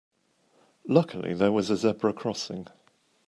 Luckily there was a zebra crossing.